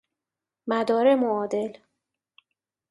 مدار معادل